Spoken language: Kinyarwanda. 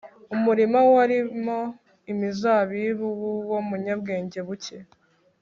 umurima warimo imizabibu y'uwo munyabwenge buke